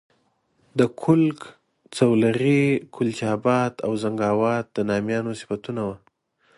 د کُلک، سولغی، کلچ آباد او زنګاوات د نامیانو صفتونه وو.